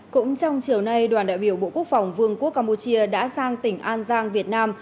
cũng trong chiều nay đoàn đại biểu bộ quốc phòng vương quốc campuchia đã sang tỉnh an giang việt nam